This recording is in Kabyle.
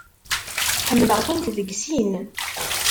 Ḥemmleɣ-kent deg sin.